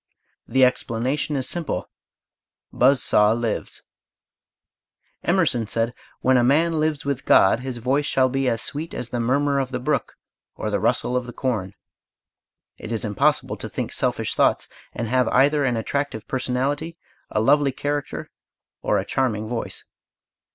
The explanation is simple buzz saw lives. Emerson said: "When a man lives with God his voice shall be as sweet as the murmur of the brook or the rustle of the corn." It is impossible to think selfish thoughts and have either an attractive personality, a lovely character, or a charming voice.